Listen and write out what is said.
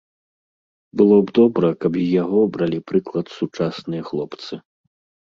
Было б добра, каб з яго бралі прыклад сучасныя хлопцы.